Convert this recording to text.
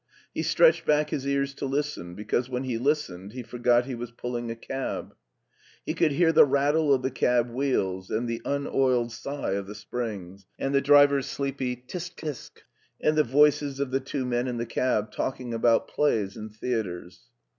He stretched back his ears to listen, because when he listened he forgot he was pulling a cab. He could hear the rattle of the cab wheels and the unoiled sigh of the springs, and the driver's sleepy, " Tchk, tchk," and the voices of the two men in the cab talking about plays and theaters.